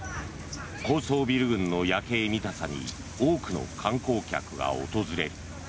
高層ビル群の夜景見たさに多くの観光客が訪れる。